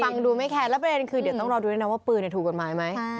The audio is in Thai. ฟังดูไม่แคร์แล้วประเด็นคือเดี๋ยวต้องรอดูด้วยนะว่าปืนถูกกฎหมายไหม